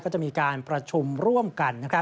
ก็จะมีการประชุมร่วมกัน